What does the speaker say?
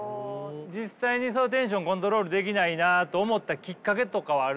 実際にそのテンションコントロールできないなって思ったきっかけとかはあるんですか？